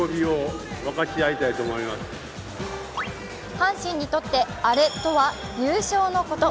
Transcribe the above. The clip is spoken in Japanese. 阪神にとって「アレ」とは優勝のこと。